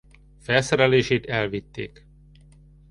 Felszerelését elvitték.